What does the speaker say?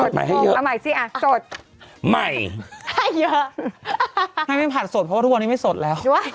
ให้ไม่ผัดสดเพราะว่าทุกวันนี้ไม่สดแล้ว